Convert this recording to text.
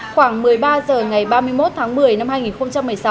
khoảng một mươi ba h ngày ba mươi một tháng một mươi năm hai nghìn một mươi sáu